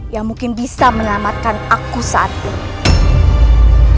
yang mungkin bisa menyelamatkan aku saat ini